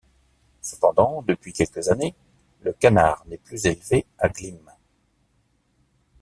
Cependant, depuis quelques années, le canard n'est plus élevé à Glimes.